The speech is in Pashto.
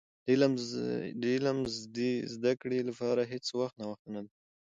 د علم زدي کړي لپاره هيڅ وخت ناوخته نه دي .